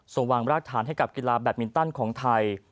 ส่งวางรากฐานให้กับกีฬาแบตมินตันของไทย